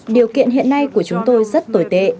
điều kiện hiện nay của chúng tôi rất tồi tệ